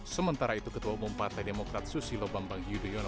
sementara itu ketua pempatai demokrat susilo bambang yudhoyono